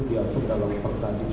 diatur dalam pertandingan satu sembilan